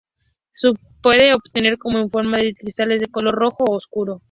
Se puede obtener como en forma de cristales de color rojo oscuro.